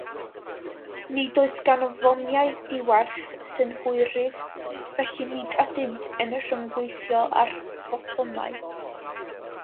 Nid oes gan fomiau diwerth synhwyrydd, felly nid ydynt yn rhyngweithio â'r ffotonau.